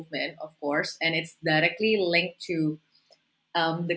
dan itu langsung dikaitkan dengan